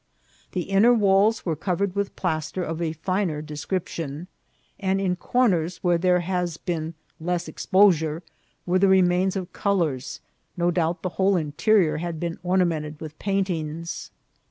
The inner walls were covered with, plaster of a finer description, and in corners where there had been less exposure were the remains of colours ; no doubt the whole interior had been ornamented with paintings.